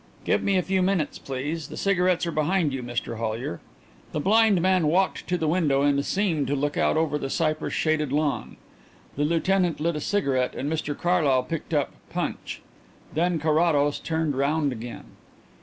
"Give me a few minutes, please. The cigarettes are behind you, Mr Hollyer." The blind man walked to the window and seemed to look out over the cypress shaded lawn. The lieutenant lit a cigarette and Mr Carlyle picked up Punch. Then Carrados turned round again.